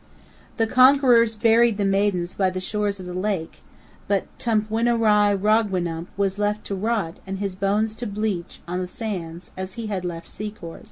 The conquerors buried the maidens by the shores of the lake; but Tumpwinai'rogwinump was left to rot and his bones to bleach on the sands, as he had left Sikor'.